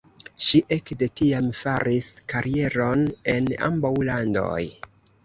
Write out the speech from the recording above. Ŝi ekde tiam faris karieron en ambaŭ landoj.